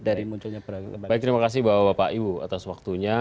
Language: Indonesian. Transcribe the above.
terima kasih pak iwu atas waktunya